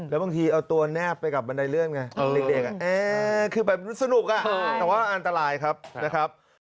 แล้วบางทีเอาตัวแนบไปกับบันไดเลื่อนไงเด็กคือแบบมันสนุกแต่ว่าอันตรายครับนะครับ